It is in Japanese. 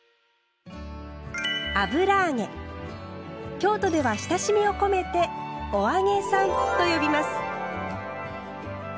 京都では親しみを込めて「お揚げさん」と呼びます。